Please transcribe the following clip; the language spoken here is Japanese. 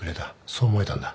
そう思えたんだ。